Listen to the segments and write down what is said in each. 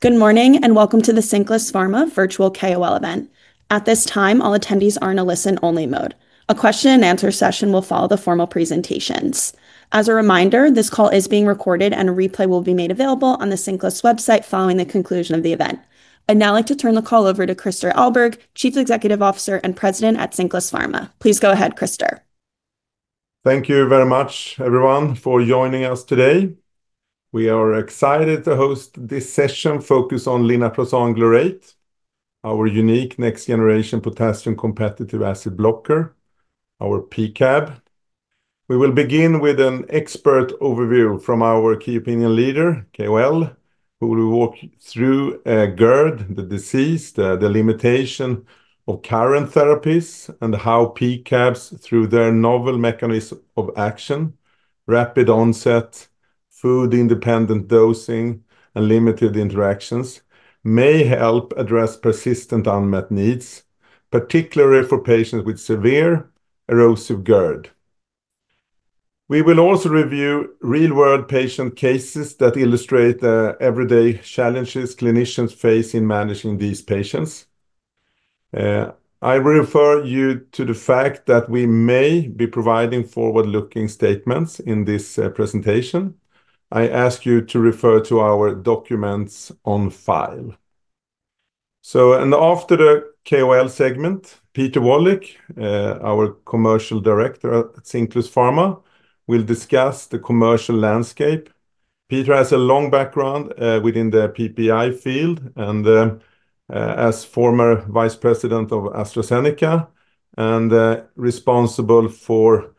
Good morning and welcome to the Cinclus Pharma Virtual KOL event. At this time, all attendees are in a listen-only mode. A question-and-answer session will follow the formal presentations. As a reminder, this call is being recorded and a replay will be made available on the Cinclus website following the conclusion of the event. I'd now like to turn the call over to Christer Ahlberg, Chief Executive Officer and President at Cinclus Pharma. Please go ahead, Christer. Thank you very much, everyone, for joining us today. We are excited to host this session focused on linaprazan glurate, our unique next-generation potassium competitive acid blocker, our PCAB. We will begin with an expert overview from our key opinion leader, KOL, who will walk through GERD, the disease, the limitation of current therapies, and how PCABs, through their novel mechanism of action, rapid onset, food-independent dosing, and limited interactions, may help address persistent unmet needs, particularly for patients with severe erosive GERD. We will also review real-world patient cases that illustrate the everyday challenges clinicians face in managing these patients. I refer you to the fact that we may be providing forward-looking statements in this presentation. I ask you to refer to our documents on file. So, and after the KOL segment, Peter Wallich, our Commercial Director at Cinclus Pharma, will discuss the commercial landscape. Peter has a long background within the PPI field and, as former Vice President of AstraZeneca, and responsible for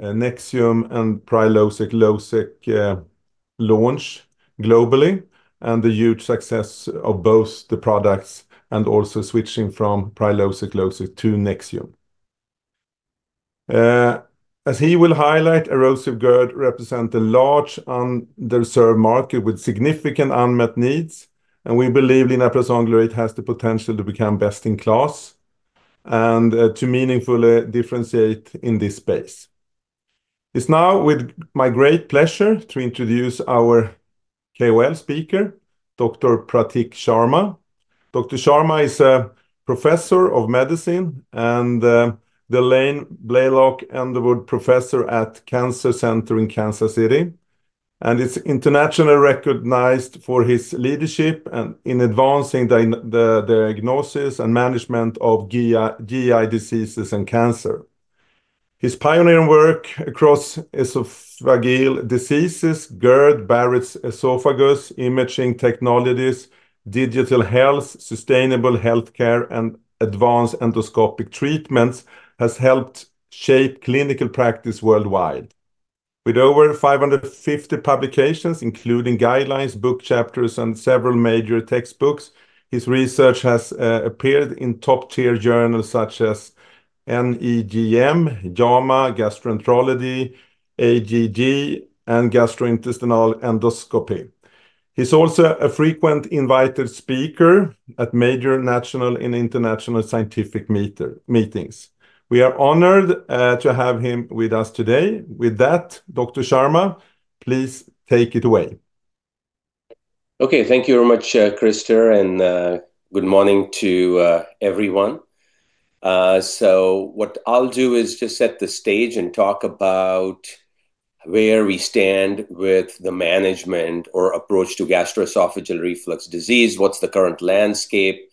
Nexium and Prilosec launch globally, and the huge success of both the products and also switching from Prilosec to Nexium. As he will highlight, erosive GERD represents a large underserved market with significant unmet needs, and we believe linaprazan glurate has the potential to become best in class and to meaningfully differentiate in this space. It's now with my great pleasure to introduce our KOL speaker, Dr. Prateek Sharma. Dr. Sharma is a Professor of Medicine and the M.J. Blaylock & E.T. Underwood Professor at Cancer Center in Kansas City, and is internationally recognized for his leadership in advancing the diagnosis and management of GI diseases and cancer. His pioneering work across esophageal diseases, GERD, Barrett's esophagus, imaging technologies, digital health, sustainable healthcare, and advanced endoscopic treatments has helped shape clinical practice worldwide. With over 550 publications, including guidelines, book chapters, and several major textbooks, his research has appeared in top-tier journals such as NEJM, JAMA, Gastroenterology, AJG, and Gastrointestinal Endoscopy. He's also a frequent invited speaker at major national and international scientific meetings. We are honored to have him with us today. With that, Dr. Sharma, please take it away. Okay, thank you very much, Christer, and good morning to everyone. So what I'll do is just set the stage and talk about where we stand with the management or approach to gastroesophageal reflux disease, what's the current landscape,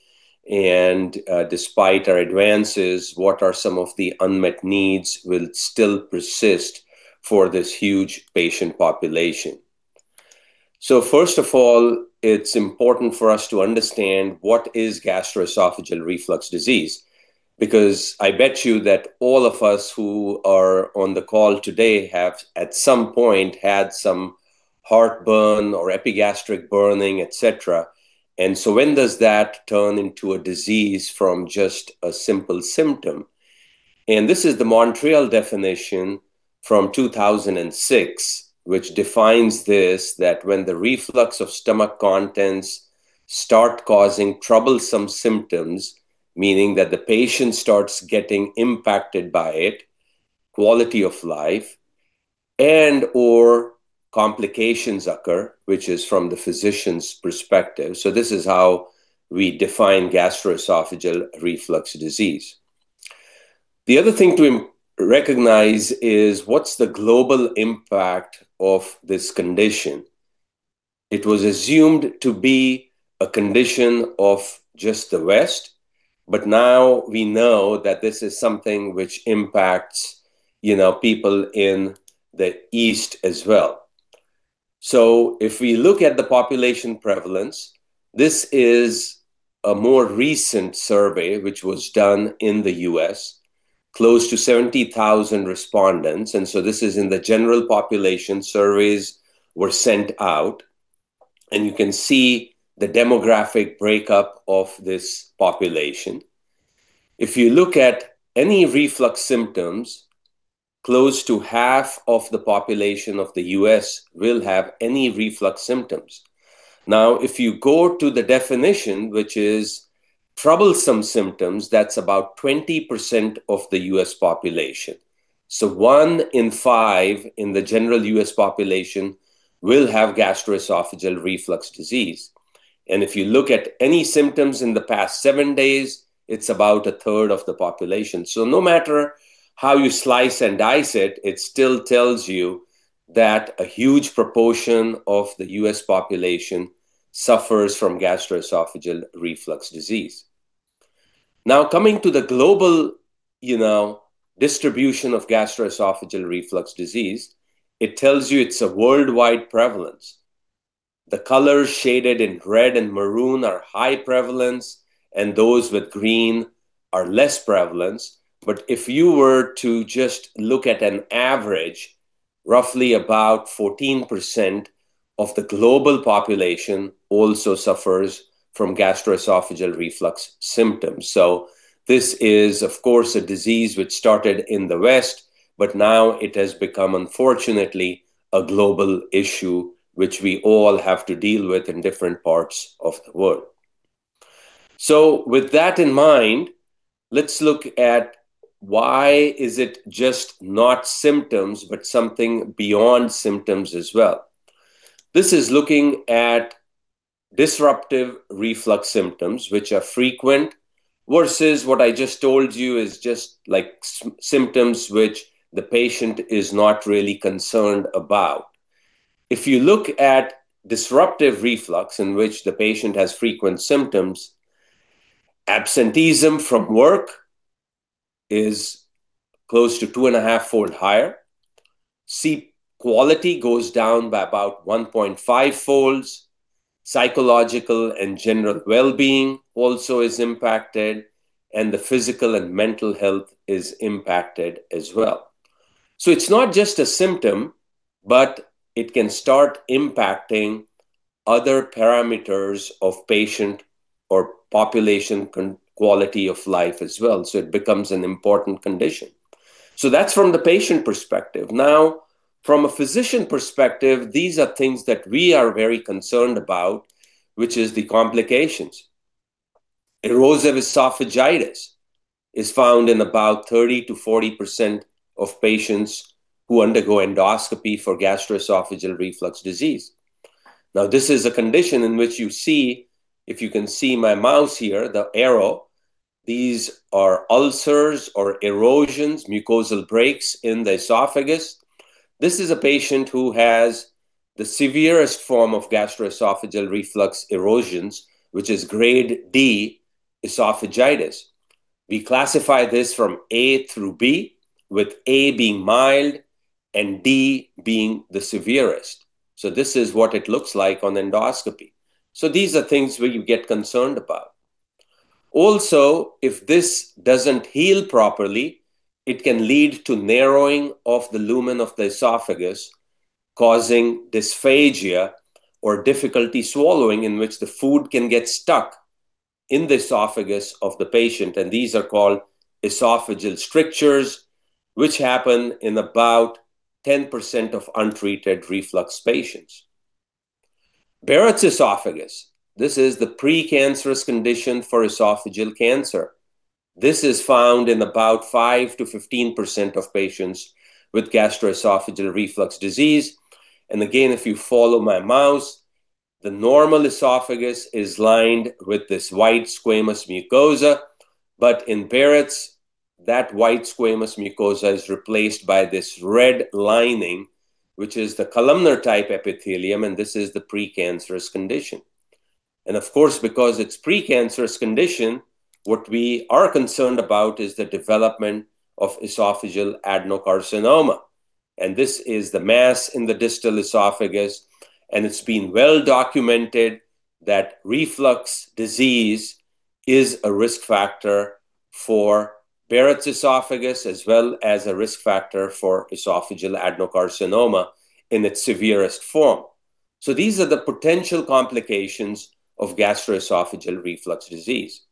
and despite our advances, what are some of the unmet needs that will still persist for this huge patient population, so first of all, it's important for us to understand what is gastroesophageal reflux disease, because I bet you that all of us who are on the call today have at some point had some heartburn or epigastric burning, et cetera, and so when does that turn into a disease from just a simple symptom? This is the Montreal definition from 2006, which defines this: that when the reflux of stomach contents starts causing troublesome symptoms, meaning that the patient starts getting impacted by it, quality of life, and/or complications occur, which is from the physician's perspective. This is how we define gastroesophageal reflux disease. The other thing to recognize is what's the global impact of this condition. It was assumed to be a condition of just the West, but now we know that this is something which impacts, you know, people in the East as well. If we look at the population prevalence, this is a more recent survey which was done in the U.S., close to 70,000 respondents. This is in the general population surveys that were sent out, and you can see the demographic breakdown of this population. If you look at any reflux symptoms, close to half of the population of the U.S. will have any reflux symptoms. Now, if you go to the definition, which is troublesome symptoms, that's about 20% of the U.S. population. So one in five in the general U.S. population will have gastroesophageal reflux disease. And if you look at any symptoms in the past seven days, it's about a third of the population. So no matter how you slice and dice it, it still tells you that a huge proportion of the U.S. population suffers from gastroesophageal reflux disease. Now, coming to the global, you know, distribution of gastroesophageal reflux disease, it tells you it's a worldwide prevalence. The colors shaded in red and maroon are high prevalence, and those with green are less prevalence. If you were to just look at an average, roughly about 14% of the global population also suffers from gastroesophageal reflux symptoms. This is, of course, a disease which started in the West, but now it has become, unfortunately, a global issue which we all have to deal with in different parts of the world. With that in mind, let's look at why is it just not symptoms, but something beyond symptoms as well. This is looking at disruptive reflux symptoms, which are frequent versus what I just told you is just like symptoms which the patient is not really concerned about. If you look at disruptive reflux in which the patient has frequent symptoms, absenteeism from work is close to two and a half fold higher. Sleep quality goes down by about 1.5 folds. Psychological and general well-being also is impacted, and the physical and mental health is impacted as well. So it's not just a symptom, but it can start impacting other parameters of patient or population quality of life as well. So it becomes an important condition. So that's from the patient perspective. Now, from a physician perspective, these are things that we are very concerned about, which is the complications. Erosive esophagitis is found in about 30%-40% of patients who undergo endoscopy for gastroesophageal reflux disease. Now, this is a condition in which you see, if you can see my mouse here, the arrow, these are ulcers or erosions, mucosal breaks in the esophagus. This is a patient who has the severest form of gastroesophageal reflux erosions, which is grade D esophagitis. We classify this from A through B, with A being mild and D being the severest. This is what it looks like on endoscopy. These are things where you get concerned about. Also, if this doesn't heal properly, it can lead to narrowing of the lumen of the esophagus, causing dysphagia or difficulty swallowing in which the food can get stuck in the esophagus of the patient. These are called esophageal strictures, which happen in about 10% of untreated reflux patients. Barrett's esophagus, this is the precancerous condition for esophageal cancer. This is found in about 5%-15% of patients with gastroesophageal reflux disease. Again, if you follow my mouse, the normal esophagus is lined with this white squamous mucosa, but in Barrett's, that white squamous mucosa is replaced by this red lining, which is the columnar-type epithelium, and this is the precancerous condition. And of course, because it's a precancerous condition, what we are concerned about is the development of esophageal adenocarcinoma. And this is the mass in the distal esophagus, and it's been well documented that reflux disease is a risk factor for Barrett's esophagus as well as a risk factor for esophageal adenocarcinoma in its severest form. So these are the potential complications of gastroesophageal reflux disease.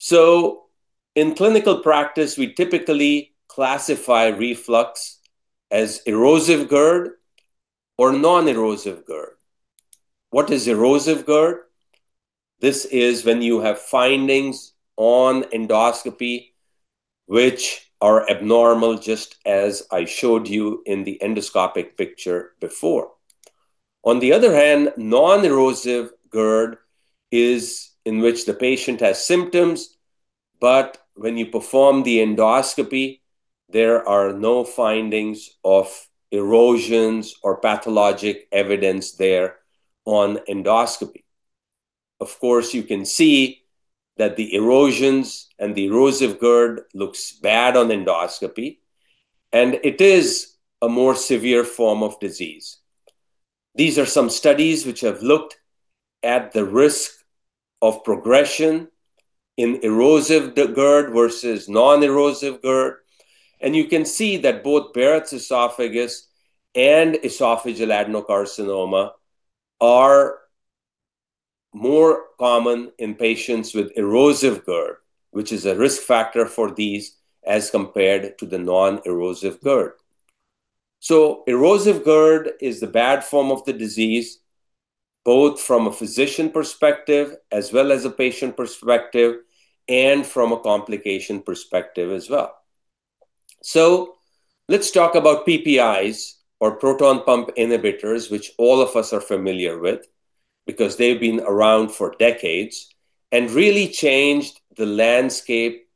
So in clinical practice, we typically classify reflux as erosive GERD or non-erosive GERD. What is erosive GERD? This is when you have findings on endoscopy which are abnormal, just as I showed you in the endoscopic picture before. On the other hand, non-erosive GERD is one in which the patient has symptoms, but when you perform the endoscopy, there are no findings of erosions or pathologic evidence there on endoscopy. Of course, you can see that the erosions and the erosive GERD look bad on endoscopy, and it is a more severe form of disease. These are some studies which have looked at the risk of progression in erosive GERD versus non-erosive GERD. And you can see that both Barrett's esophagus and esophageal adenocarcinoma are more common in patients with erosive GERD, which is a risk factor for these as compared to the non-erosive GERD. So erosive GERD is the bad form of the disease, both from a physician perspective as well as a patient perspective and from a complication perspective as well. So let's talk about PPIs or proton pump inhibitors, which all of us are familiar with because they've been around for decades and really changed the landscape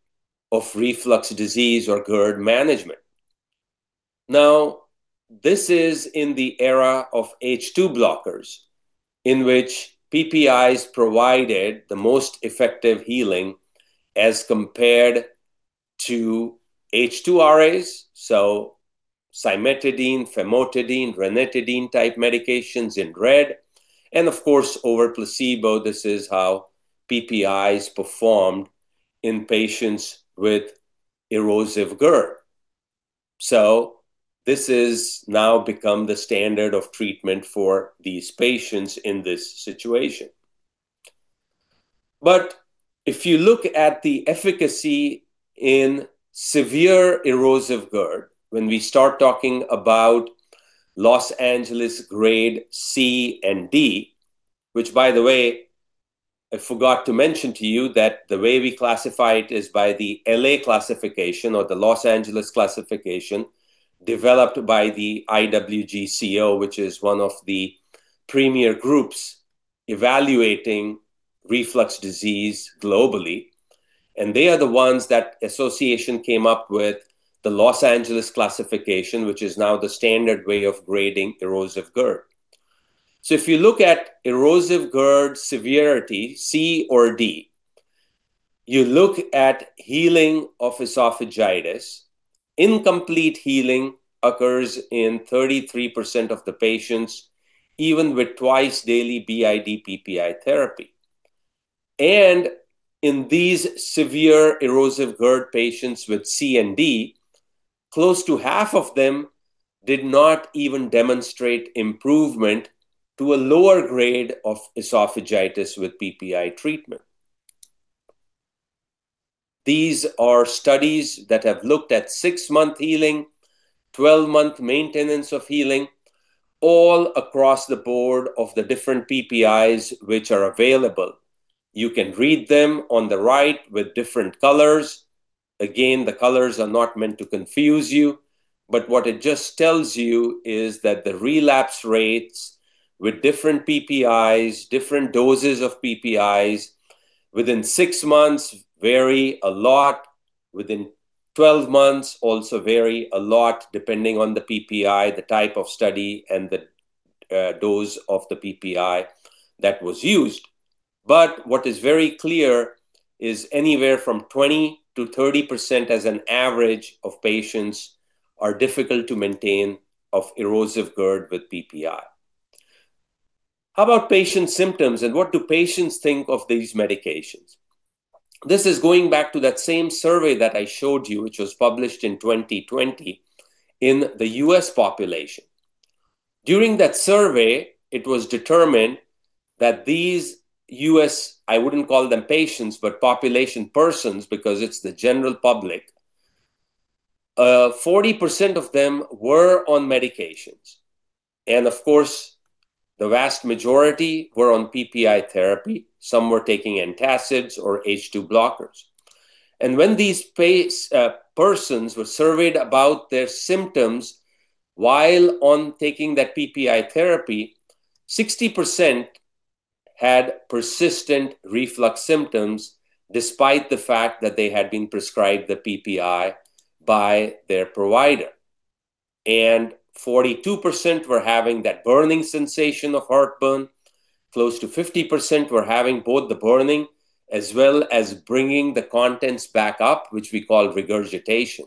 of reflux disease or GERD management. Now, this is in the era of H2 blockers in which PPIs provided the most effective healing as compared to H2 RAs, so cimetidine, famotidine, ranitidine type medications in red. And of course, over placebo, this is how PPIs performed in patients with erosive GERD. So this has now become the standard of treatment for these patients in this situation. But if you look at the efficacy in severe erosive GERD, when we start talking about Los Angeles grade C and D, which by the way, I forgot to mention to you that the way we classify it is by the LA classification or the Los Angeles classification developed by the IWGCO, which is one of the premier groups evaluating reflux disease globally. And they are the ones that association came up with the Los Angeles classification, which is now the standard way of grading erosive GERD. So if you look at erosive GERD severity, C or D. You look at healing of esophagitis. Incomplete healing occurs in 33% of the patients, even with twice daily BID PPI therapy. And in these severe erosive GERD patients with C and D, close to half of them did not even demonstrate improvement to a lower grade of esophagitis with PPI treatment. These are studies that have looked at six-month healing, 12-month maintenance of healing, all across the board of the different PPIs which are available. You can read them on the right with different colors. Again, the colors are not meant to confuse you, but what it just tells you is that the relapse rates with different PPIs, different doses of PPIs within six months vary a lot, within 12 months also vary a lot depending on the PPI, the type of study, and the dose of the PPI that was used. But what is very clear is anywhere from 20%-30% as an average of patients are difficult to maintain of erosive GERD with PPI. How about patient symptoms and what do patients think of these medications? This is going back to that same survey that I showed you, which was published in 2020 in the U.S. population. During that survey, it was determined that these U.S., I wouldn't call them patients, but population persons because it's the general public, 40% of them were on medications. Of course, the vast majority were on PPI therapy. Some were taking antacids or H2 blockers. When these persons were surveyed about their symptoms while on taking that PPI therapy, 60% had persistent reflux symptoms despite the fact that they had been prescribed the PPI by their provider. 42% were having that burning sensation of heartburn. Close to 50% were having both the burning as well as bringing the contents back up, which we call regurgitation.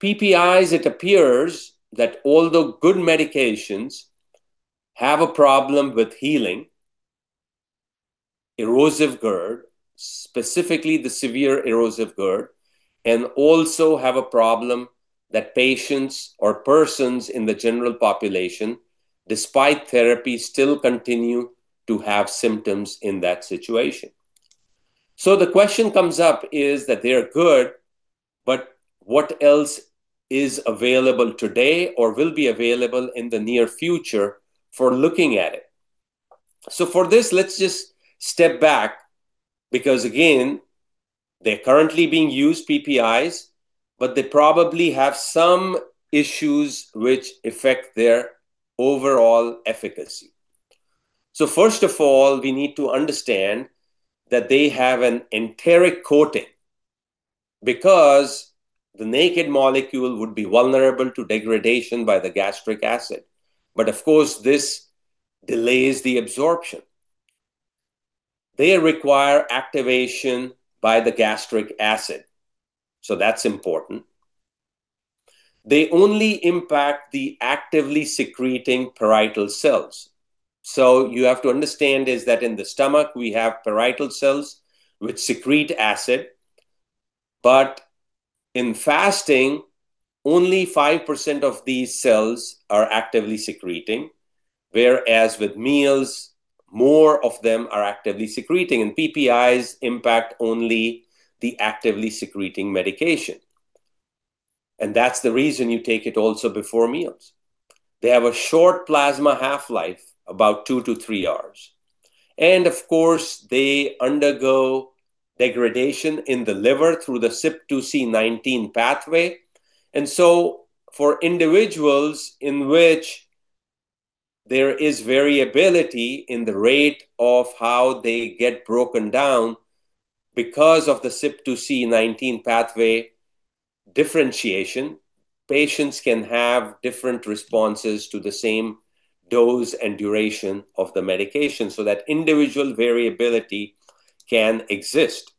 PPIs, it appears that although good medications have a problem with healing, erosive GERD, specifically the severe erosive GERD, can also have a problem that patients or persons in the general population, despite therapy, still continue to have symptoms in that situation. The question comes up is that they're good, but what else is available today or will be available in the near future for looking at it? So for this, let's just step back because again, they're currently being used PPIs, but they probably have some issues which affect their overall efficacy. So first of all, we need to understand that they have an enteric coating because the naked molecule would be vulnerable to degradation by the gastric acid. But of course, this delays the absorption. They require activation by the gastric acid. So that's important. They only impact the actively secreting parietal cells. So you have to understand is that in the stomach, we have parietal cells which secrete acid, but in fasting, only 5% of these cells are actively secreting, whereas with meals, more of them are actively secreting. And PPIs impact only the actively secreting medication. And that's the reason you take it also before meals. They have a short plasma half-life, about two to three hours. Of course, they undergo degradation in the liver through the CYP2C19 pathway. So for individuals in which there is variability in the rate of how they get broken down because of the CYP2C19 pathway differentiation, patients can have different responses to the same dose and duration of the medication so that individual variability can exist.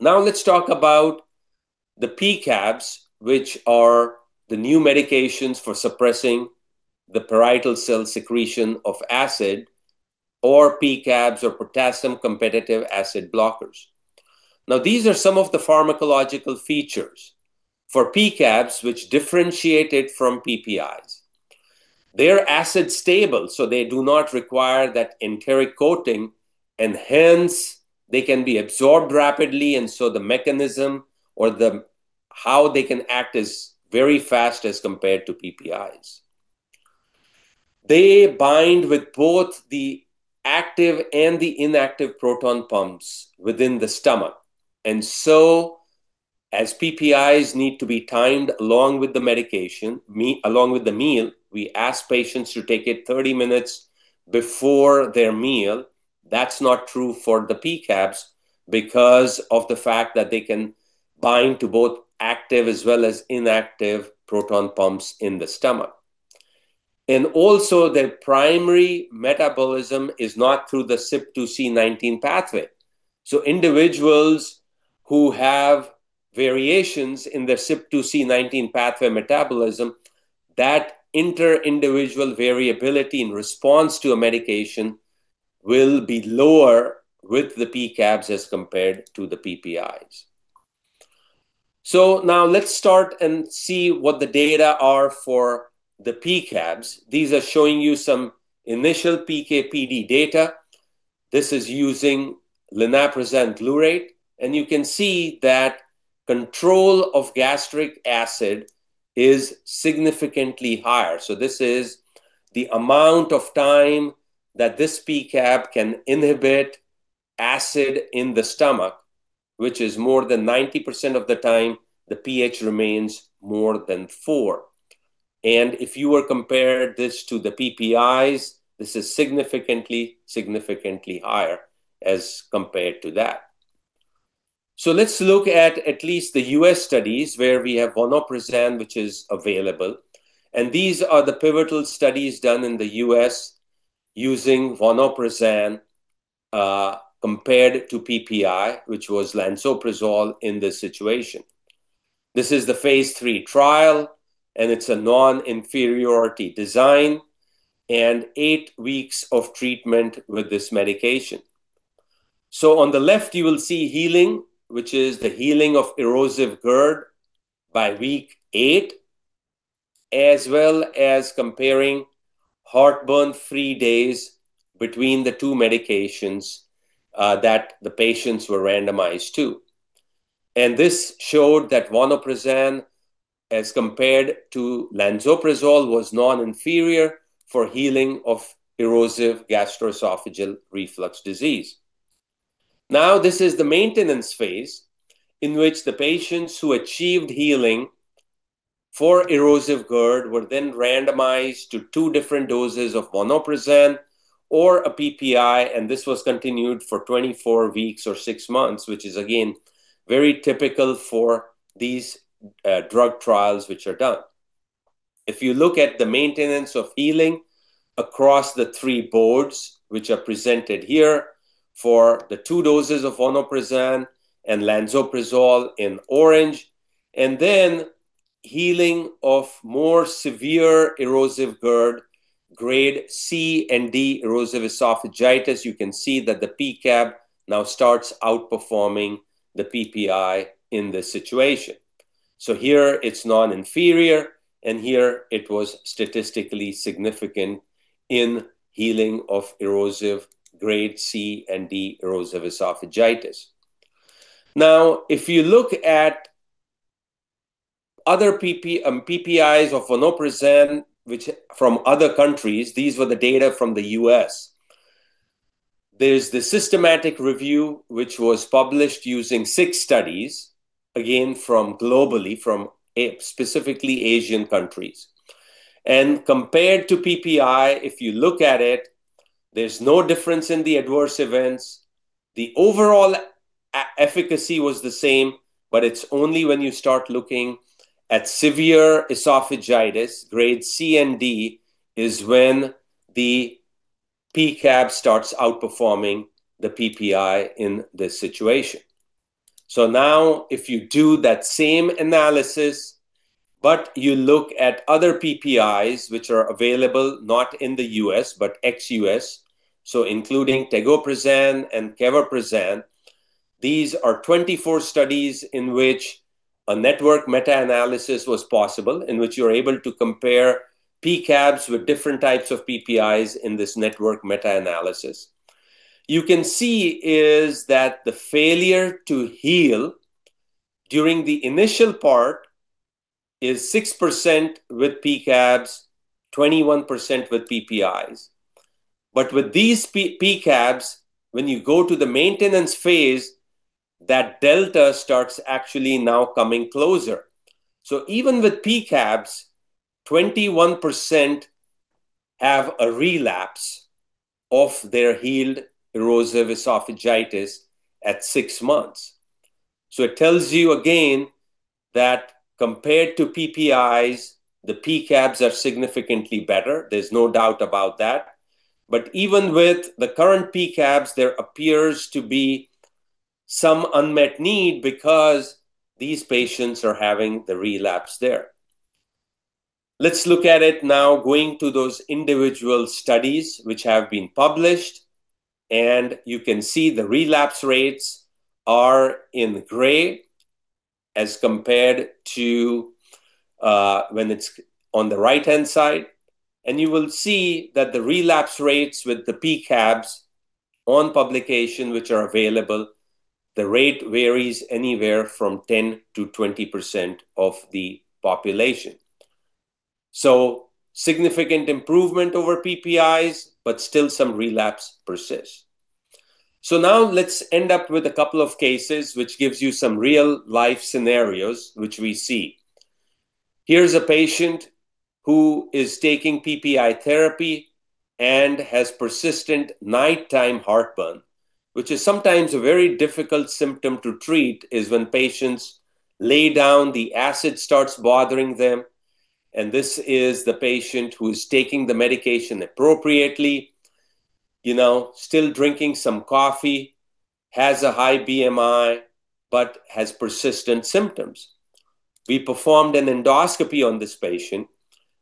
Now let's talk about the PCABs, which are the new medications for suppressing the parietal cell secretion of acid or PCABs or potassium competitive acid blockers. Now, these are some of the pharmacological features for PCABs which differentiate it from PPIs. They're acid stable, so they do not require that enteric coating, and hence they can be absorbed rapidly. So the mechanism or how they can act is very fast as compared to PPIs. They bind with both the active and the inactive proton pumps within the stomach. And so as PPIs need to be timed along with the medication, along with the meal, we ask patients to take it 30 minutes before their meal. That's not true for the PCABs because of the fact that they can bind to both active as well as inactive proton pumps in the stomach. And also their primary metabolism is not through the CYP2C19 pathway. So individuals who have variations in their CYP2C19 pathway metabolism, that inter-individual variability in response to a medication will be lower with the PCABs as compared to the PPIs. So now let's start and see what the data are for the PCABs. These are showing you some initial PK/PD data. This is using linaprazan glurate, and you can see that control of gastric acid is significantly higher. This is the amount of time that this PCAB can inhibit acid in the stomach, which is more than 90% of the time the pH remains more than 4. If you were to compare this to the PPIs, this is significantly, significantly higher as compared to that. Let's look at least the U.S. studies where we have vonoprazan which is available. These are the pivotal studies done in the U.S. using vonoprazan compared to PPI, which was lansoprazole in this situation. This is the phase three trial, and it's a non-inferiority design and eight weeks of treatment with this medication. On the left, you will see healing, which is the healing of erosive GERD by week eight, as well as comparing heartburn three days between the two medications that the patients were randomized to. This showed that vonoprazan as compared to lansoprazole was non-inferior for healing of erosive gastroesophageal reflux disease. Now, this is the maintenance phase in which the patients who achieved healing for erosive GERD were then randomized to two different doses of vonoprazan or a PPI, and this was continued for 24 weeks or six months, which is again very typical for these drug trials which are done. If you look at the maintenance of healing across the three bars which are presented here for the two doses of vonoprazan and lansoprazole in orange, and then healing of more severe erosive GERD grade C and D erosive esophagitis, you can see that the PCAB now starts outperforming the PPI in this situation. Here it's non-inferior, and here it was statistically significant in healing of erosive grade C and D erosive esophagitis. Now, if you look at other PPIs of vonoprazan from other countries, these were the data from the U.S. There's the systematic review which was published using six studies, again from globally, from specifically Asian countries, and compared to PPI, if you look at it, there's no difference in the adverse events. The overall efficacy was the same, but it's only when you start looking at severe esophagitis grade C and D is when the PCAB starts outperforming the PPI in this situation, so now if you do that same analysis, but you look at other PPIs which are available, not in the U.S., but ex-U.S., so including tegoprazan and keverprazan, these are 24 studies in which a network meta-analysis was possible in which you're able to compare PCABs with different types of PPIs in this network meta-analysis. You can see is that the failure to heal during the initial part is 6% with PCABs, 21% with PPIs. But with these PCABs, when you go to the maintenance phase, that delta starts actually now coming closer. So even with PCABs, 21% have a relapse of their healed erosive esophagitis at six months. So it tells you again that compared to PPIs, the PCABs are significantly better. There's no doubt about that. But even with the current PCABs, there appears to be some unmet need because these patients are having the relapse there. Let's look at it now going to those individual studies which have been published, and you can see the relapse rates are in gray as compared to when it's on the right-hand side. You will see that the relapse rates with the PCABs on publication which are available, the rate varies anywhere from 10%-20% of the population. So significant improvement over PPIs, but still some relapse persists. So now let's end up with a couple of cases which gives you some real-life scenarios which we see. Here's a patient who is taking PPI therapy and has persistent nighttime heartburn, which is sometimes a very difficult symptom to treat, is when patients lay down, the acid starts bothering them. And this is the patient who is taking the medication appropriately, still drinking some coffee, has a high BMI, but has persistent symptoms. We performed an endoscopy on this patient,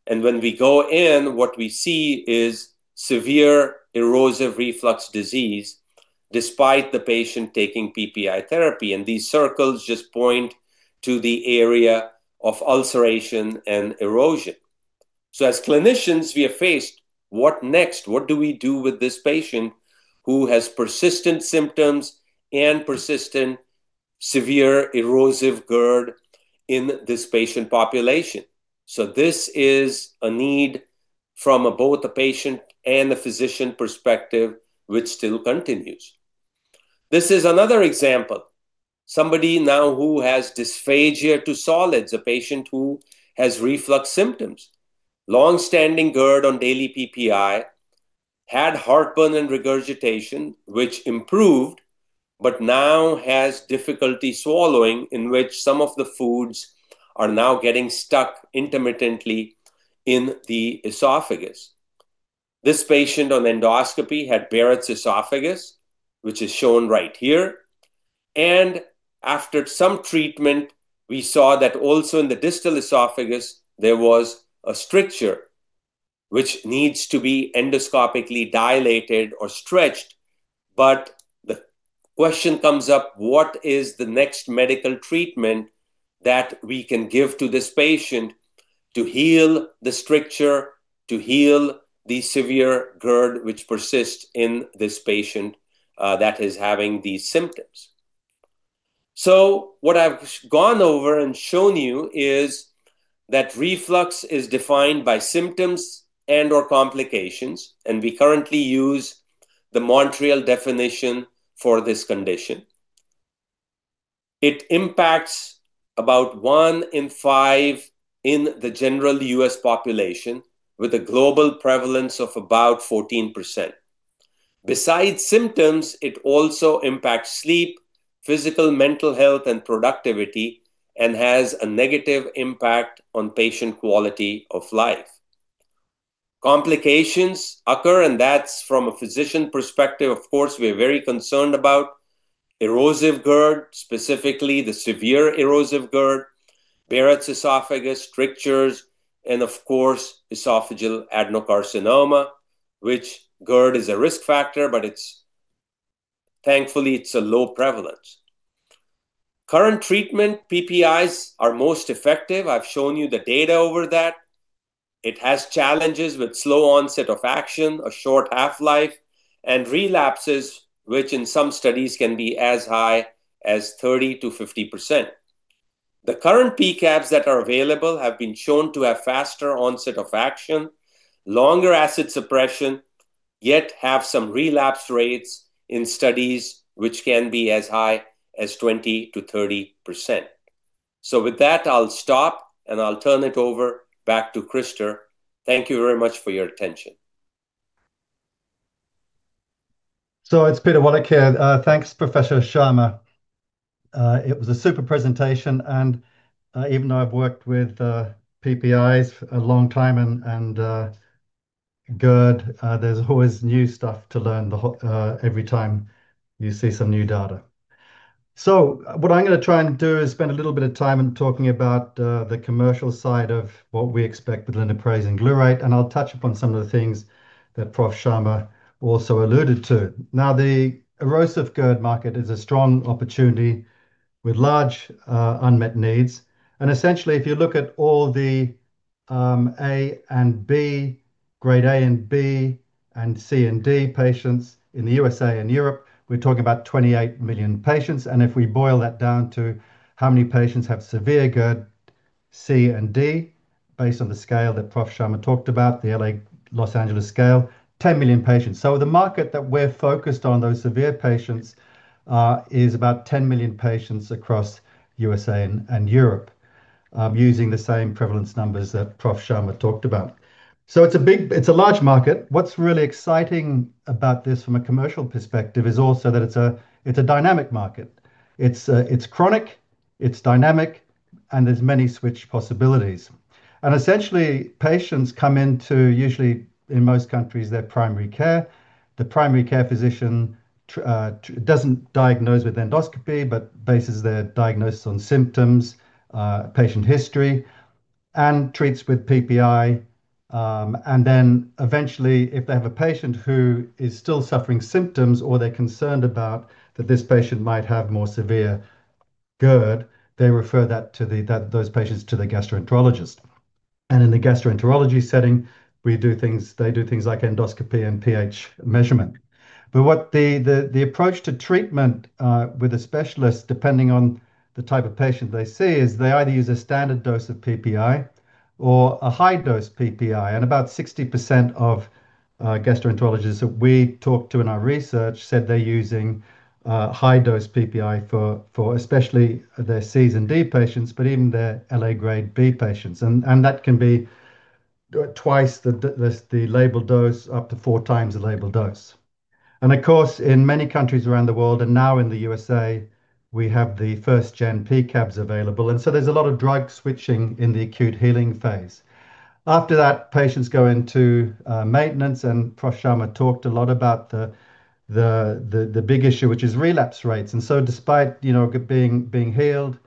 and when we go in, what we see is severe erosive reflux disease despite the patient taking PPI therapy. And these circles just point to the area of ulceration and erosion. As clinicians, we are faced with what next? What do we do with this patient who has persistent symptoms and persistent severe erosive GERD in this patient population? So this is a need from both the patient and the physician perspective which still continues. This is another example. Somebody now who has dysphagia to solids, a patient who has reflux symptoms, long-standing GERD on daily PPI, had heartburn and regurgitation which improved, but now has difficulty swallowing in which some of the foods are now getting stuck intermittently in the esophagus. This patient on endoscopy had Barrett's esophagus, which is shown right here. And after some treatment, we saw that also in the distal esophagus, there was a stricture which needs to be endoscopically dilated or stretched. But the question comes up, what is the next medical treatment that we can give to this patient to heal the stricture, to heal the severe GERD which persists in this patient that is having these symptoms? So what I've gone over and shown you is that reflux is defined by symptoms and/or complications, and we currently use the Montreal definition for this condition. It impacts about one in five in the general U.S. population with a global prevalence of about 14%. Besides symptoms, it also impacts sleep, physical, mental health, and productivity, and has a negative impact on patient quality of life. Complications occur, and that's from a physician perspective. Of course, we are very concerned about erosive GERD, specifically the severe erosive GERD, Barrett's esophagus, strictures, and of course, esophageal adenocarcinoma, which GERD is a risk factor, but thankfully it's a low prevalence. Current treatment, PPIs are most effective. I've shown you the data over that. It has challenges with slow onset of action, a short half-life, and relapses which in some studies can be as high as 30%-50%. The current PCABs that are available have been shown to have faster onset of action, longer acid suppression, yet have some relapse rates in studies which can be as high as 20%-30%. With that, I'll stop, and I'll turn it over back to Christer. Thank you very much for your attention. It's Peter Wallich. Thanks, Professor Ahlberg. It was a super presentation. And even though I've worked with PPIs a long time and GERD, there's always new stuff to learn every time you see some new data. So what I'm going to try and do is spend a little bit of time in talking about the commercial side of what we expect with linaprazan glurate, and I'll touch upon some of the things that Prof. Sharma also alluded to. Now, the erosive GERD market is a strong opportunity with large unmet needs. And essentially, if you look at all the grade A and B and C and D patients in the USA and Europe, we're talking about 28 million patients. And if we boil that down to how many patients have severe GERD, C and D, based on the scale that Prof. Sharma talked about the Los Angeles classification, 10 million patients. The market that we're focused on, those severe patients, is about 10 million patients across USA and Europe using the same prevalence numbers that Prof. Sharma talked about. It's a large market. What's really exciting about this from a commercial perspective is also that it's a dynamic market. It's chronic, it's dynamic, and there's many switch possibilities. Essentially, patients come into usually, in most countries, their primary care. The primary care physician doesn't diagnose with endoscopy, but bases their diagnosis on symptoms, patient history, and treats with PPI. Eventually, if they have a patient who is still suffering symptoms or they're concerned about that this patient might have more severe GERD, they refer those patients to the gastroenterologist. In the gastroenterology setting, they do things like endoscopy and pH measurement. The approach to treatment with a specialist, depending on the type of patient they see, is they either use a standard dose of PPI or a high-dose PPI. About 60% of gastroenterologists that we talked to in our research said they're using high-dose PPI for especially their C and D patients, but even their grade A patients. That can be twice the labeled dose, up to four times the labeled dose. Of course, in many countries around the world, and now in the U.S.A., we have the first-gen PCABs available. There's a lot of drug switching in the acute healing phase. After that, patients go into maintenance, and Prof. Sharma talked a lot about the big issue, which is relapse rates. Despite being healed,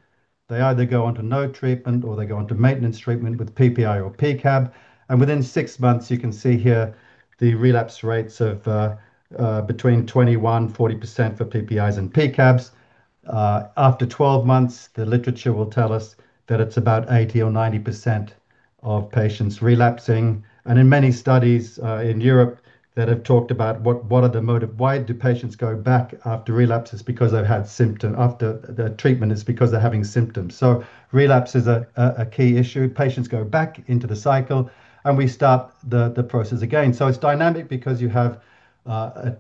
they either go on to no treatment or they go on to maintenance treatment with PPI or PCAB. Within six months, you can see here the relapse rates of between 21% and 40% for PPIs and PCABs. After 12 months, the literature will tell us that it's about 80% or 90% of patients relapsing. In many studies in Europe that have talked about what are the motive, why do patients go back after relapse? It's because they've had symptoms after the treatment. It's because they're having symptoms. Relapse is a key issue. Patients go back into the cycle, and we start the process again. It's dynamic because you have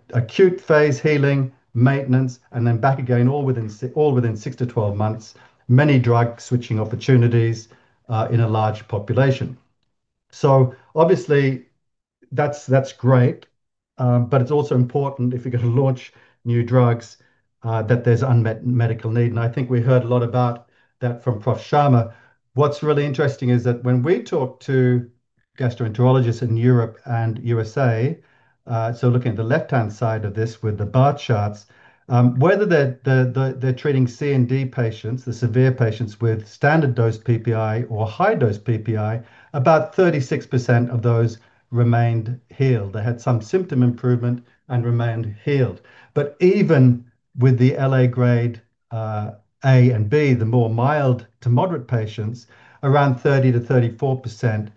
acute phase healing, maintenance, and then back again, all within six to 12 months, many drug switching opportunities in a large population. Obviously, that's great, but it's also important if you're going to launch new drugs that there's unmet medical need. I think we heard a lot about that from Prof. Sharma. What's really interesting is that when we talk to gastroenterologists in Europe and USA, so looking at the left-hand side of this with the bar charts, whether they're treating C and D patients, the severe patients with standard dose PPI or high-dose PPI, about 36% of those remained healed. They had some symptom improvement and remained healed. But even with the grade A and B, the more mild to moderate patients, around 30%-34%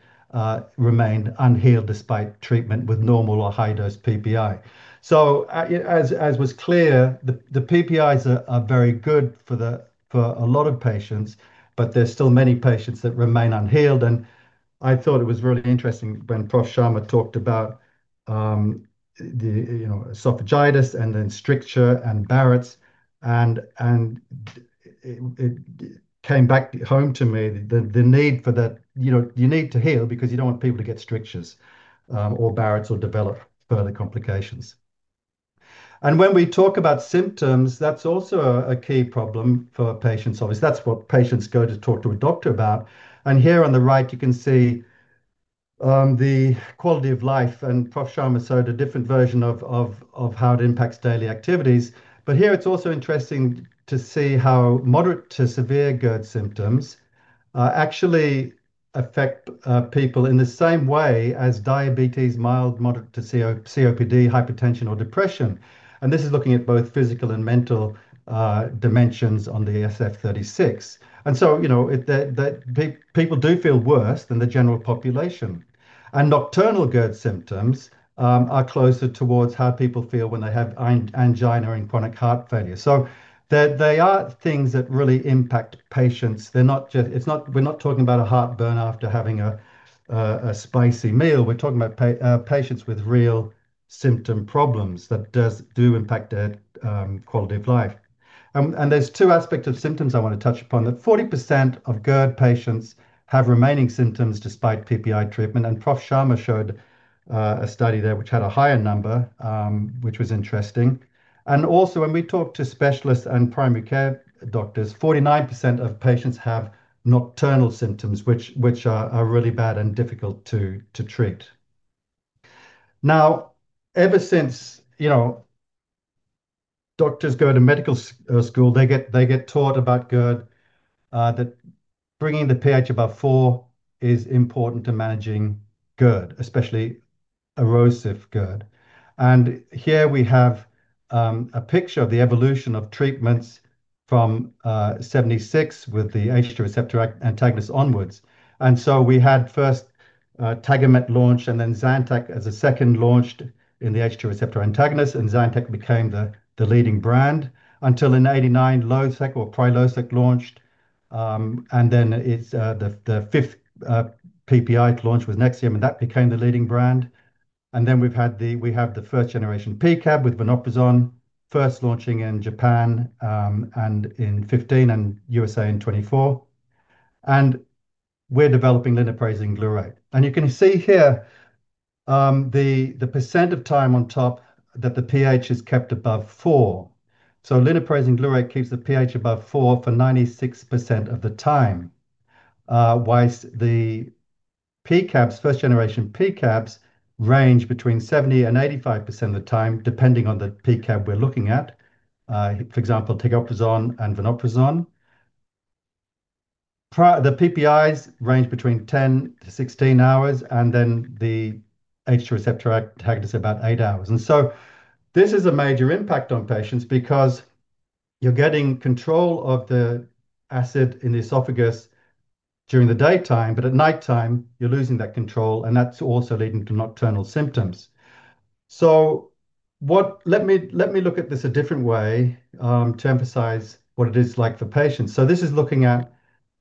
remained unhealed despite treatment with normal or high-dose PPI. So as was clear, the PPIs are very good for a lot of patients, but there's still many patients that remain unhealed. And I thought it was really interesting when Prof. Sharma talked about esophagitis and then stricture and Barrett's. And it came back home to me, the need for that. You need to heal because you don't want people to get strictures or Barrett's or develop further complications. And when we talk about symptoms, that's also a key problem for patients. Obviously, that's what patients go to talk to a doctor about. And here on the right, you can see the quality of life. And Prof. Sharma showed a different version of how it impacts daily activities. But here, it's also interesting to see how moderate to severe GERD symptoms actually affect people in the same way as diabetes, mild, moderate to severe COPD, hypertension, or depression. And this is looking at both physical and mental dimensions on the SF-36. And so people do feel worse than the general population. And nocturnal GERD symptoms are closer towards how people feel when they have angina and chronic heart failure. They are things that really impact patients. It's not. We're not talking about a heartburn after having a spicy meal. We're talking about patients with real symptom problems that do impact their quality of life. There's two aspects of symptoms I want to touch upon: that 40% of GERD patients have remaining symptoms despite PPI treatment. Prof. Sharma showed a study there which had a higher number, which was interesting. Also, when we talk to specialists and primary care doctors, 49% of patients have nocturnal symptoms, which are really bad and difficult to treat. Ever since doctors go to medical school, they get taught about GERD, that bringing the pH above 4 is important to managing GERD, especially erosive GERD. Here we have a picture of the evolution of treatments from 1976 with the H2 receptor antagonist onwards. And so we had first Tagamet launched, and then Zantac as a second launched in the H2 receptor antagonist. And Zantac became the leading brand until in 1989, Losec or Prilosec launched. And then the fifth PPI to launch was Nexium, and that became the leading brand. And then we have the first-generation PCAB with vonoprazan, first launching in Japan in 2015 and U.S.A. in 2024. And we're developing linaprazan glurate. And you can see here the percent of time on top that the pH is kept above 4. So linaprazan glurate keeps the pH above 4 for 96% of the time, whilst the first-generation PCABs range between 70% and 85% of the time, depending on the PCAB we're looking at, for example, Tagamet and vonoprazan. The PPIs range between 10-16 hours, and then the H2 receptor antagonist about 8 hours. This is a major impact on patients because you're getting control of the acid in the esophagus during the daytime, but at nighttime, you're losing that control, and that's also leading to nocturnal symptoms. So let me look at this a different way to emphasize what it is like for patients. So this is looking at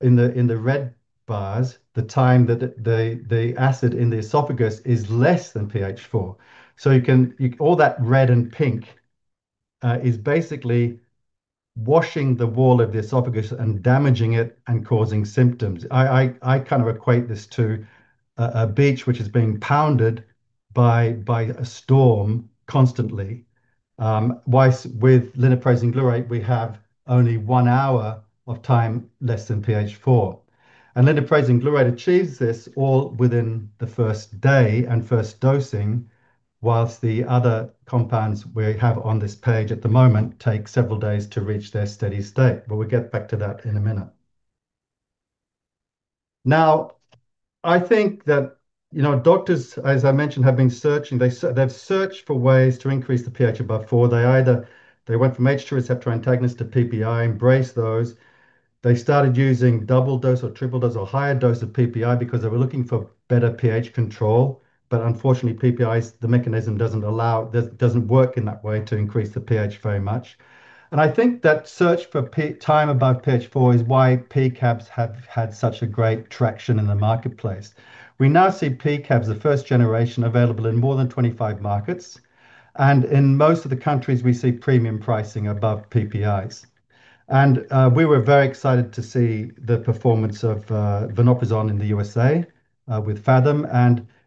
in the red bars, the time that the acid in the esophagus is less than pH 4. So all that red and pink is basically washing the wall of the esophagus and damaging it and causing symptoms. I kind of equate this to a beach which is being pounded by a storm constantly, while with linaprazan glurate, we have only one hour of time less than pH 4. Linaprazan glurate achieves this all within the first day and first dosing, while the other compounds we have on this page at the moment take several days to reach their steady state. We'll get back to that in a minute. Now, I think that doctors, as I mentioned, have been searching. They've searched for ways to increase the pH above 4. They went from H2 receptor antagonist to PPI, embraced those. They started using double dose or triple dose or higher dose of PPI because they were looking for better pH control. Unfortunately, the mechanism doesn't work in that way to increase the pH very much. I think that search for time above pH 4 is why PCABs have had such a great traction in the marketplace. We now see PCABs, the first generation, available in more than 25 markets. In most of the countries, we see premium pricing above PPIs. We were very excited to see the performance of vonoprazan in the USA with Phathom.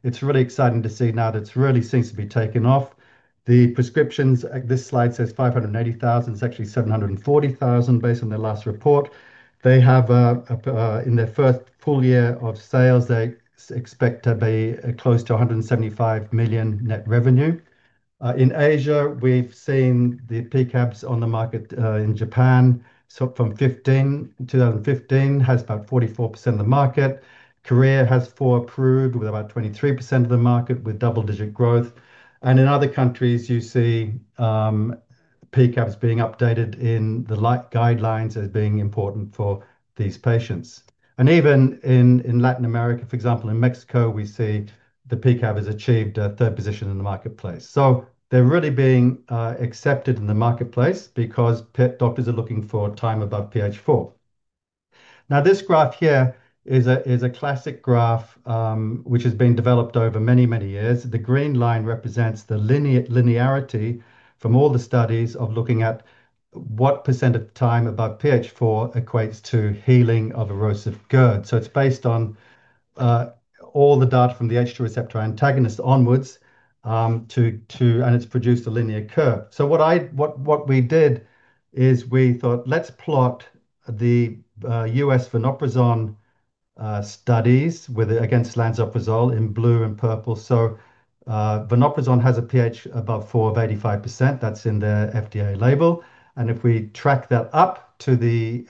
It's really exciting to see now that it really seems to be taking off. The prescriptions, this slide says 580,000. It's actually 740,000 based on their last report. They have, in their first full year of sales, they expect to be close to $175 million net revenue. In Asia, we've seen the PCABs on the market in Japan. So from 2015, has about 44% of the market. Korea has four approved with about 23% of the market with double-digit growth. In other countries, you see PCABs being updated in the latest guidelines as being important for these patients. Even in Latin America, for example, in Mexico, we see the PCAB has achieved a third position in the marketplace. They're really being accepted in the marketplace because doctors are looking for time above pH 4. Now, this graph here is a classic graph which has been developed over many, many years. The green line represents the linearity from all the studies of looking at what % of time above pH 4 equates to healing of erosive GERD. It's based on all the data from the H2 receptor antagonist onwards, and it's produced a linear curve. What we did is we thought, let's plot the U.S. vonoprazan studies against lansoprazole in blue and purple. Vonoprazan has a pH above 4 of 85%. That's in the FDA label. If we track that up to the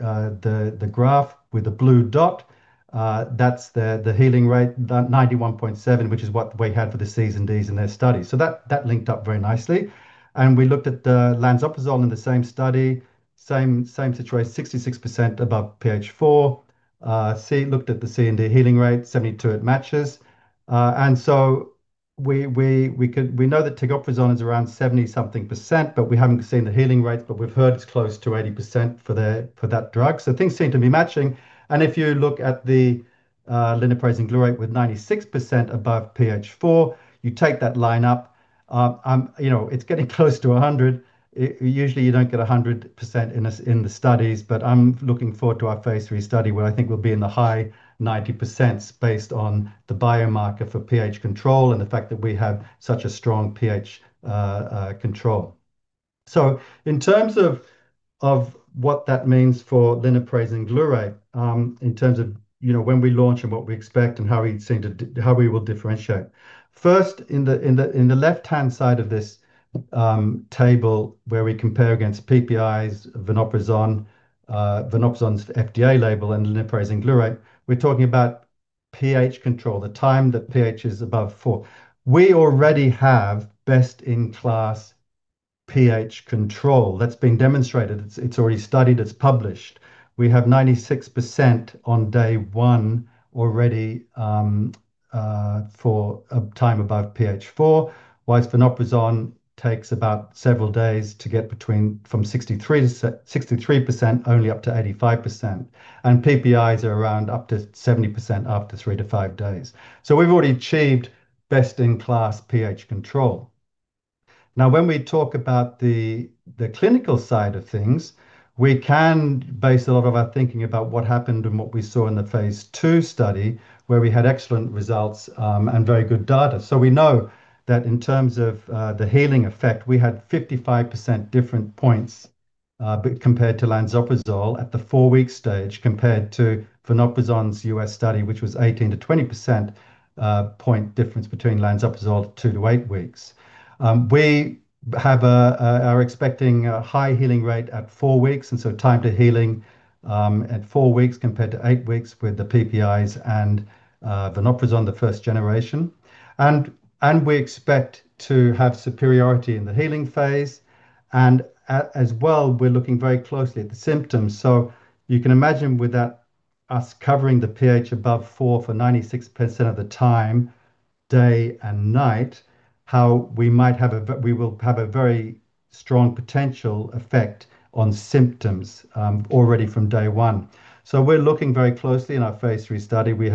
graph with the blue dot, that's the healing rate, 91.7, which is what we had for the C and Ds in their studies. That linked up very nicely. We looked at the lansoprazole in the same study, same situation, 66% above pH 4. Looked at the C and D healing rate, 72%. It matches. So we know that Tagamet is around 70-something%, but we haven't seen the healing rates, but we've heard it's close to 80% for that drug. Things seem to be matching. If you look at the linaprazan glurate with 96% above pH 4, you take that line up, it's getting close to 100%. Usually, you don't get 100% in the studies, but I'm looking forward to our phase three study where I think we'll be in the high 90% based on the biomarker for pH control and the fact that we have such a strong pH control. So in terms of what that means for linaprazan glurate, in terms of when we launch and what we expect and how we will differentiate. First, in the left-hand side of this table where we compare against PPIs, vonoprazan, vonoprazan's FDA label, and linaprazan glurate, we're talking about pH control, the time that pH is above 4. We already have best-in-class pH control. That's been demonstrated. It's already studied. It's published. We have 96% on day one already for time above pH 4, while vonoprazan takes about several days to get from 63% only up to 85%. And PPIs are around up to 70% after three to five days. So we've already achieved best-in-class pH control. Now, when we talk about the clinical side of things, we can base a lot of our thinking about what happened and what we saw in the phase two study where we had excellent results and very good data, so we know that in terms of the healing effect, we had 55 percentage points compared to lansoprazole at the four-week stage compared to vonoprazan's U.S. study, which was 18-20 percentage point difference between lansoprazole two to eight weeks. We are expecting a high healing rate at four weeks, and so time to healing at four weeks compared to eight weeks with the PPIs and vonoprazan, the first generation, and as well, we're looking very closely at the symptoms. So you can imagine with us covering the pH above 4 for 96% of the time, day and night, how we will have a very strong potential effect on symptoms already from day one. So we're looking very closely in our phase three study. We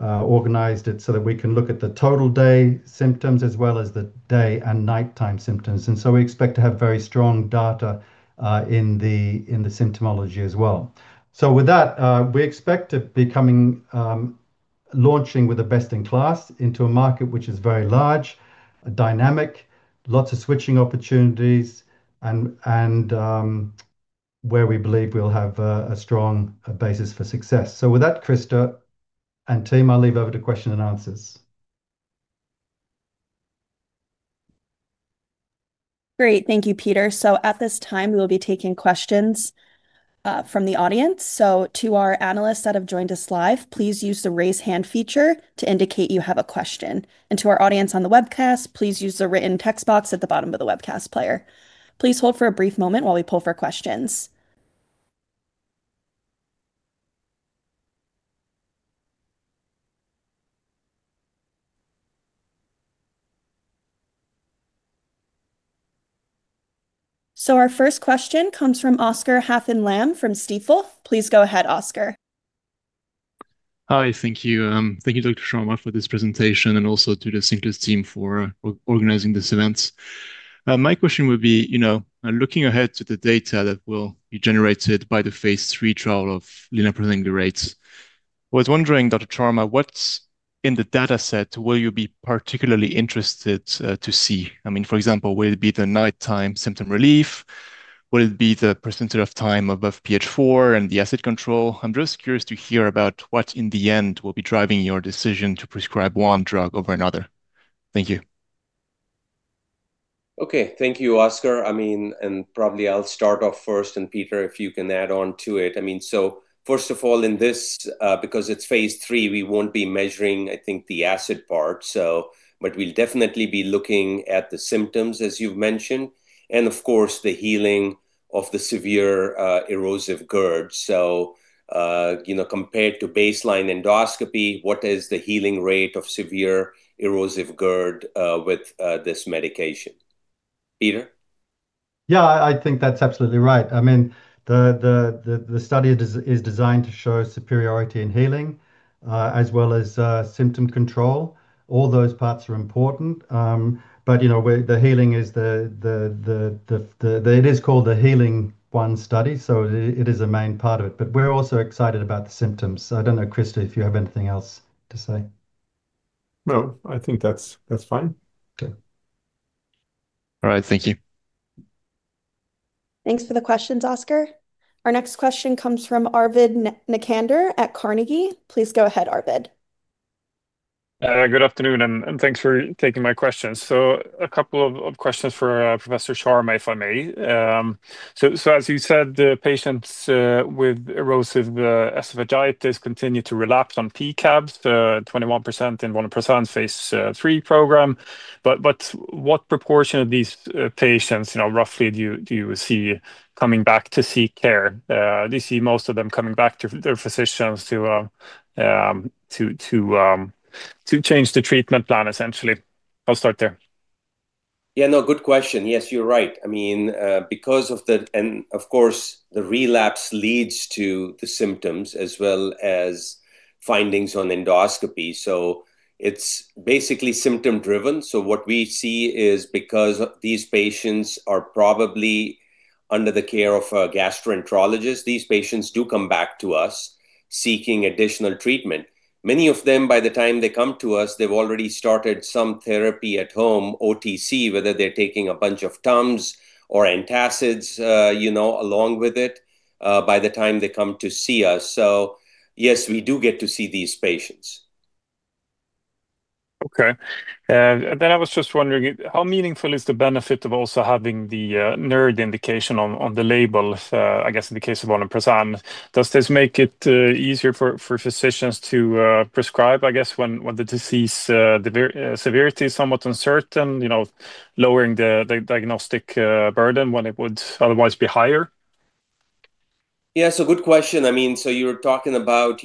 have organized it so that we can look at the total day symptoms as well as the day and nighttime symptoms. And so we expect to have very strong data in the symptomology as well. So with that, we expect to be launching with the best-in-class into a market which is very large, dynamic, lots of switching opportunities, and where we believe we'll have a strong basis for success. So with that, Christer and team, I'll hand over to questions and answers. Great. Thank you, Peter. So at this time, we will be taking questions from the audience. To our analysts that have joined us live, please use the raise hand feature to indicate you have a question. To our audience on the webcast, please use the written text box at the bottom of the webcast player. Please hold for a brief moment while we poll for questions. Our first question comes from Oscar Haffen Lamm from Stifel. Please go ahead, Oscar. Hi, thank you. Thank you, Dr. Sharma, for this presentation and also to the Cinclus team for organizing this event. My question would be, looking ahead to the data that will be generated by the phase III trial of linaprazan glurate, I was wondering, Dr. Sharma, what in the dataset will you be particularly interested to see? I mean, for example, will it be the nighttime symptom relief? Will it be the percentage of time above pH 4 and the acid control? I'm just curious to hear about what in the end will be driving your decision to prescribe one drug over another. Thank you. Okay. Thank you, Oscar. I mean, and probably I'll start off first, and Peter, if you can add on to it. I mean, so first of all, in this, because it's phase three, we won't be measuring, I think, the acid part, but we'll definitely be looking at the symptoms, as you've mentioned, and of course, the healing of the severe erosive GERD. So compared to baseline endoscopy, what is the healing rate of severe erosive GERD with this medication? Peter? Yeah, I think that's absolutely right. I mean, the study is designed to show superiority in healing as well as symptom control. All those parts are important. But the healing is the it is called the healing one study, so it is a main part of it. But we're also excited about the symptoms. I don't know, Christer, if you have anything else to say. No, I think that's fine. Okay. All right. Thank you. Thanks for the questions, Oscar. Our next question comes from Arvid Necander at Carnegie. Please go ahead, Arvid. Good afternoon, and thanks for taking my questions. So a couple of questions for Professor Sharma, if I may. So as you said, the patients with erosive esophagitis continue to relapse on PCABs, 21% in vonoprazan phase III program. But what proportion of these patients, roughly, do you see coming back to seek care? Do you see most of them coming back to their physicians to change the treatment plan, essentially? I'll start there. Yeah, no, good question. Yes, you're right. I mean, because of, and of course, the relapse leads to the symptoms as well as findings on endoscopy. So it's basically symptom-driven. So what we see is because these patients are probably under the care of a gastroenterologist, these patients do come back to us seeking additional treatment. Many of them, by the time they come to us, they've already started some therapy at home, OTC, whether they're taking a bunch of Tums or antacids along with it by the time they come to see us. So yes, we do get to see these patients. Okay. Then I was just wondering, how meaningful is the benefit of also having the NERD indication on the label, I guess, in the case of vonoprazan? Does this make it easier for physicians to prescribe, I guess, when the disease severity is somewhat uncertain, lowering the diagnostic burden when it would otherwise be higher? Yeah, so good question. I mean, so you're talking about,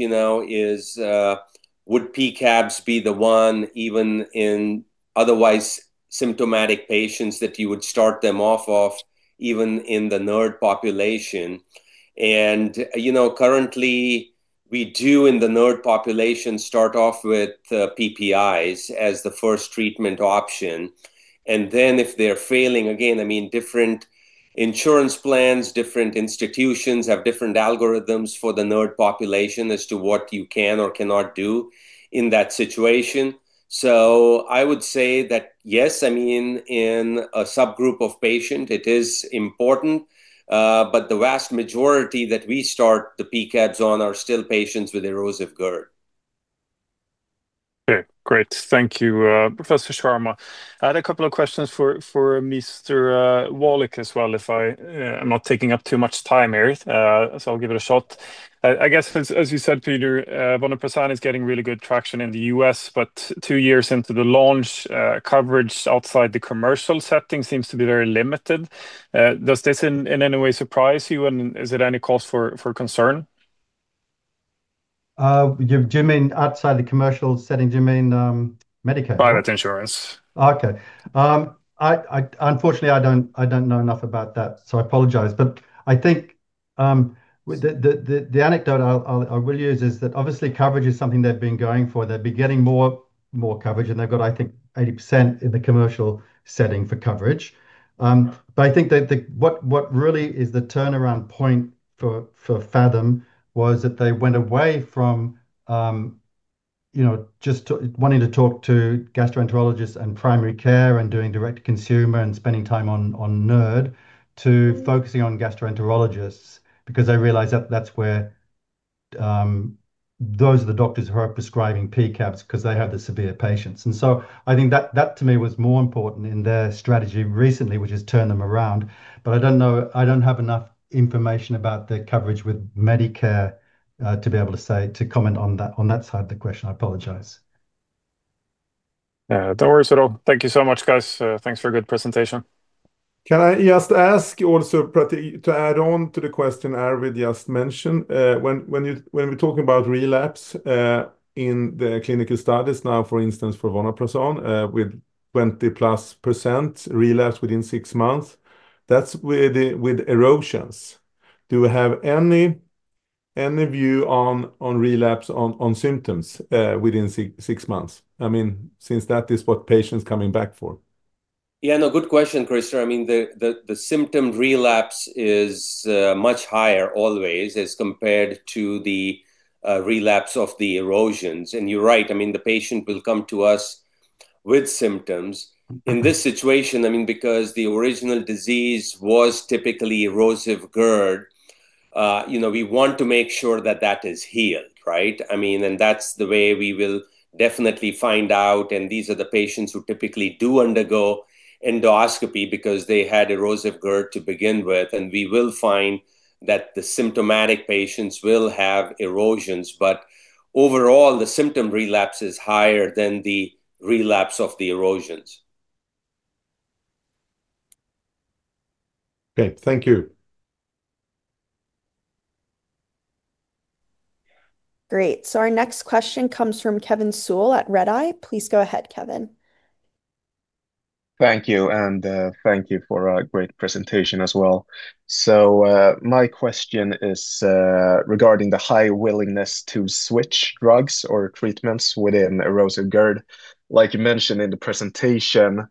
would PCABs be the one even in otherwise symptomatic patients that you would start them off of even in the NERD population? And currently, we do in the NERD population start off with PPIs as the first treatment option. And then if they're failing, again, I mean, different insurance plans, different institutions have different algorithms for the NERD population as to what you can or cannot do in that situation. So I would say that yes, I mean, in a subgroup of patients, it is important. But the vast majority that we start the PCABs on are still patients with erosive GERD. Okay. Great. Thank you, Professor Sharma. I had a couple of questions for Mr. Wallich as well, if I'm not taking up too much time here, so I'll give it a shot. I guess, as you said, Peter, vonoprazan is getting really good traction in the U.S., but two years into the launch, coverage outside the commercial setting seems to be very limited. Does this in any way surprise you, and is it any cause for concern? Do you mean outside the commercial setting? Do you mean Medicaid? Private insurance. Okay. Unfortunately, I don't know enough about that, so I apologize. But I think the anecdote I will use is that obviously, coverage is something they've been going for. They've been getting more coverage, and they've got, I think, 80% in the commercial setting for coverage. But I think what really is the turnaround point for Phathom was that they went away from just wanting to talk to gastroenterologists and primary care and doing direct-to-consumer and spending time on NERD to focusing on gastroenterologists because they realized that that's where those are the doctors who are prescribing PCABs because they have the severe patients. And so I think that, to me, was more important in their strategy recently, which has turned them around. But I don't have enough information about the coverage with Medicare to be able to comment on that side of the question. I apologize. Yeah, don't worry at all. Thank you so much, guys. Thanks for a good presentation. Can I just ask also to add on to the question Arvid just mentioned? When we're talking about relapse in the clinical studies now, for instance, for vonoprazan with 20-plus% relapse within six months, that's with erosions. Do you have any view on relapse on symptoms within six months? I mean, since that is what patients are coming back for. Yeah, no, good question, Christer. I mean, the symptom relapse is much higher always as compared to the relapse of the erosions. And you're right. I mean, the patient will come to us with symptoms. In this situation, I mean, because the original disease was typically erosive GERD, we want to make sure that that is healed, right? I mean, and that's the way we will definitely find out. And these are the patients who typically do undergo endoscopy because they had erosive GERD to begin with. And we will find that the symptomatic patients will have erosions. But overall, the symptom relapse is higher than the relapse of the erosions. Okay. Thank you. Great. So our next question comes from Kevin Sule at Redeye. Please go ahead, Kevin. Thank you. And thank you for a great presentation as well. So my question is regarding the high willingness to switch drugs or treatments within erosive GERD. Like you mentioned in the presentation,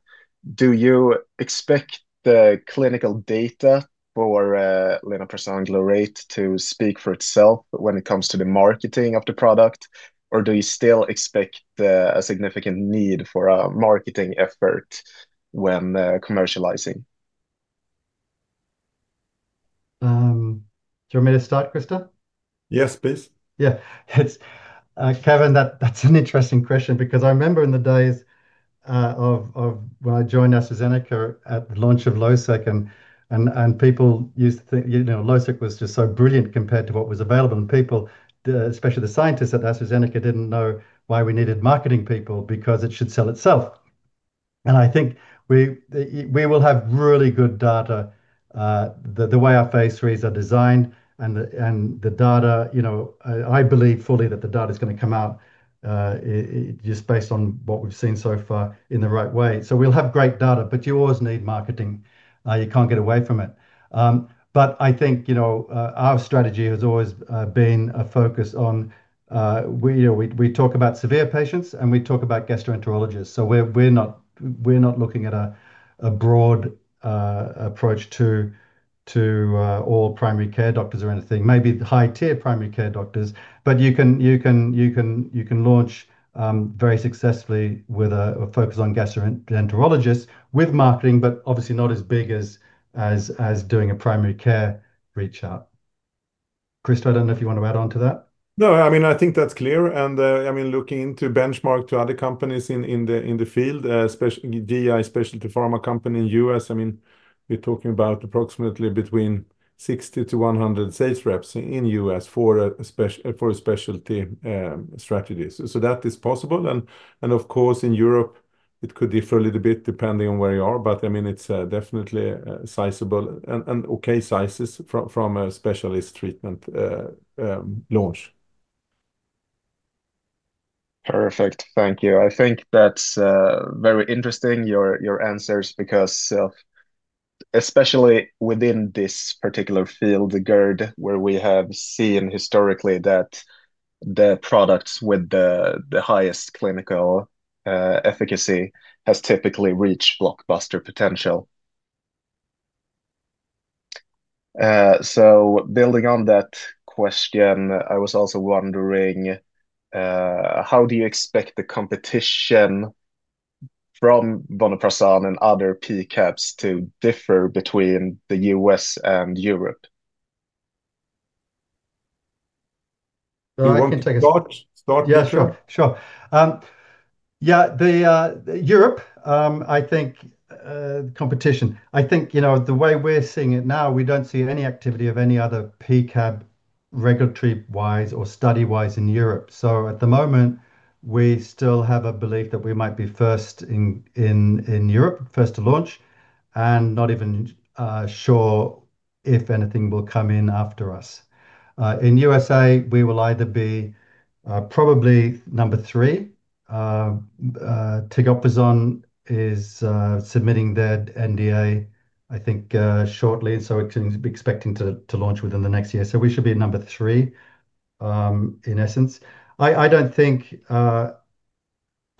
do you expect the clinical data for linaprazan glurate to speak for itself when it comes to the marketing of the product, or do you still expect a significant need for a marketing effort when commercializing? Do you want me to start, Christer? Yes, please. Yeah. Kevin, that's an interesting question because I remember in the days of when I joined AstraZeneca at the launch of Losec, and people used to think Losec was just so brilliant compared to what was available. People, especially the scientists at AstraZeneca, didn't know why we needed marketing people because it should sell itself. I think we will have really good data. The way our phase 3s are designed and the data, I believe fully that the data is going to come out just based on what we've seen so far in the right way. We'll have great data, but you always need marketing. You can't get away from it. I think our strategy has always been a focus on we talk about severe patients, and we talk about gastroenterologists. We're not looking at a broad approach to all primary care doctors or anything, maybe high-tier primary care doctors. You can launch very successfully with a focus on gastroenterologists with marketing, but obviously not as big as doing a primary care reach out. Christer, I don't know if you want to add on to that. No, I mean, I think that's clear. And I mean, looking into benchmark to other companies in the field, especially GI specialty pharma company in the US, I mean, you're talking about approximately between 60 to 100 sales reps in the US for a specialty strategy. So that is possible. And of course, in Europe, it could differ a little bit depending on where you are. But I mean, it's definitely sizable and okay sizes from a specialist treatment launch. Perfect. Thank you. I think that's very interesting, your answers, because especially within this particular field, the GERD, where we have seen historically that the products with the highest clinical efficacy have typically reached blockbuster potential. So building on that question, I was also wondering, how do you expect the competition from vonoprazan and other PCABs to differ between the US and Europe? You want me to take a - Yeah, sure. Sure. Yeah, Europe, I think competition. I think the way we're seeing it now, we don't see any activity of any other PCAB regulatory-wise or study-wise in Europe. So at the moment, we still have a belief that we might be first in Europe, first to launch, and not even sure if anything will come in after us. In the USA, we will either be probably number three. Tegoprazan is submitting their NDA, I think, shortly. So we're expecting to launch within the next year. So we should be number three, in essence. I don't think -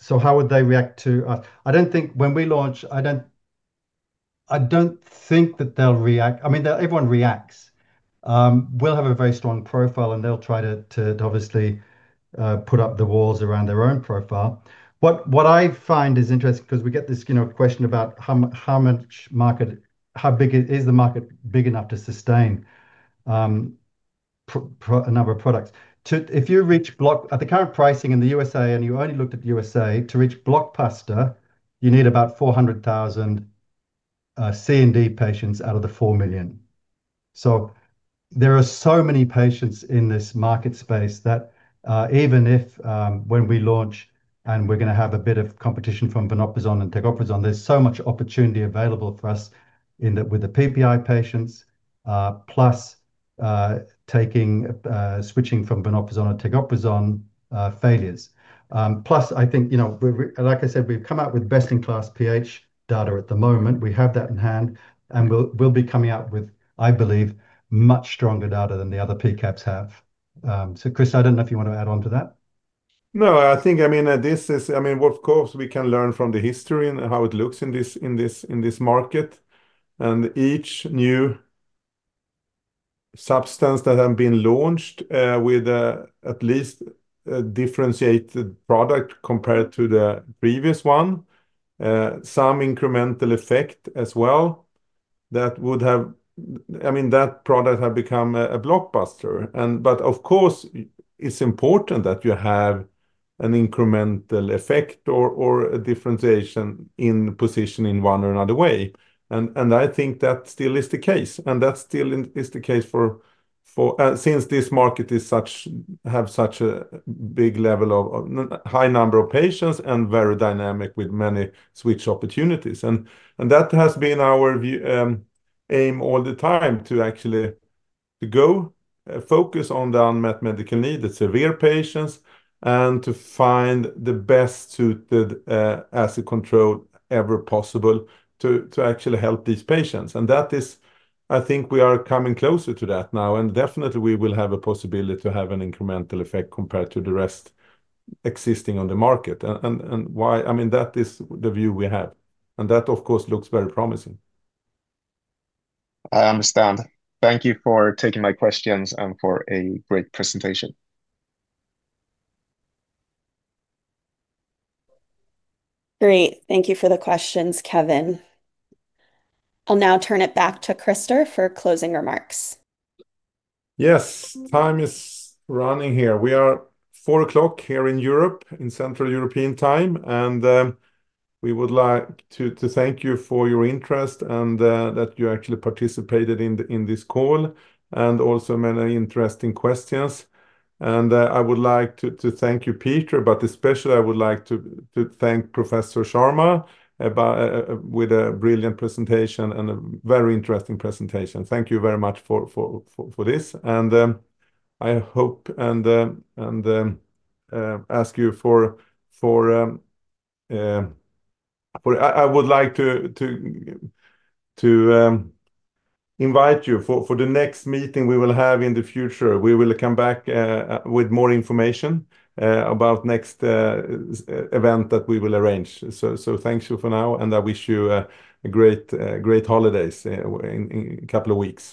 so how would they react to us? I don't think when we launch, I don't think that they'll react. I mean, everyone reacts. We'll have a very strong profile, and they'll try to obviously put up the walls around their own profile. What I find is interesting because we get this question about how much market, how big is the market big enough to sustain a number of products? At the current pricing in the USA, and you only looked at the USA, to reach blockbuster, you need about 400,000 C and D patients out of the 4 million. So there are so many patients in this market space that even if when we launch and we're going to have a bit of competition from vonoprazan and tegoprazan, there's so much opportunity available for us with the PPI patients, plus switching from vonoprazan and tegoprazan failures. Plus, I think, like I said, we've come out with best-in-class pH data at the moment. We have that in hand. We'll be coming out with, I believe, much stronger data than the other PCABs have. So Christer, I don't know if you want to add on to that. No, I think, I mean, this is. I mean, of course, we can learn from the history and how it looks in this market. And each new substance that has been launched with at least a differentiated product compared to the previous one, some incremental effect as well, that would have. I mean, that product has become a blockbuster. But of course, it's important that you have an incremental effect or a differentiation in position in one or another way. And I think that still is the case. And that still is the case since this market has such a big level of high number of patients and very dynamic with many switch opportunities. That has been our aim all the time to actually go focus on the unmet medical needs, the severe patients, and to find the best suited acid control ever possible to actually help these patients. That is, I think we are coming closer to that now. Definitely, we will have a possibility to have an incremental effect compared to the rest existing on the market. Why? I mean, that is the view we have. That, of course, looks very promising. I understand. Thank you for taking my questions and for a great presentation. Great. Thank you for the questions, Kevin. I'll now turn it back to Christer for closing remarks. Yes, time is running here. We are 4:00 P.M. here in Europe in Central European Time. We would like to thank you for your interest and that you actually participated in this call and also many interesting questions. I would like to thank you, Peter, but especially I would like to thank Professor Sharma for a brilliant presentation and a very interesting presentation. Thank you very much for this. I would like to invite you for the next meeting we will have in the future. We will come back with more information about the next event that we will arrange. Thank you for now, and I wish you great holidays in a couple of weeks.